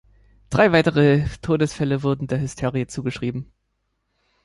Drei weitere Todesfälle wurden der Hysterie zugeschrieben.